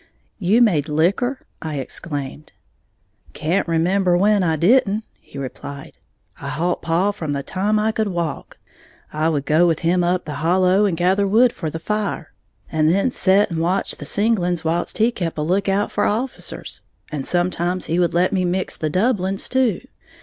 "You made liquor?" I exclaimed. "Can't remember when I didn't," he replied; "I holp paw from the time I could walk. I would go with him up the hollow, and gather wood for the fire, and then set and watch the singlings whilst he kep' a lookout for officers. And sometimes he would let me mix the doublings, too.